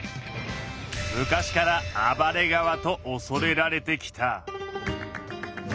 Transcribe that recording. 昔から「暴れ川」とおそれられてきた。